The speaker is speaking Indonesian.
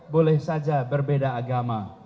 boleh saja berbeda agama